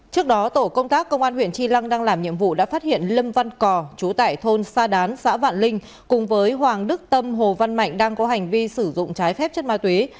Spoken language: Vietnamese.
trước đó tổ công tác công an huyện tri lăng đang làm nhiệm vụ đã phát hiện lâm văn cò chú tại thôn sa đán xã vạn linh cùng với hoàng đức tâm hồ văn mạnh đang có hành vi sử dụng trái phép chất ma túy